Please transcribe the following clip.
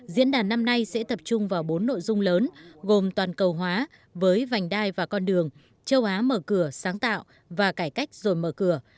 diễn đàn năm nay sẽ tập trung vào bốn nội dung lớn gồm toàn cầu hóa với vành đai và con đường châu á mở cửa sáng tạo và cải cách rồi mở cửa